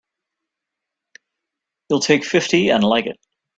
You'll take fifty and like it!